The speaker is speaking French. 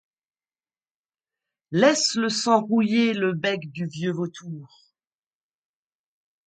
Laisse le sang rouiller le bec du vieux vautour ;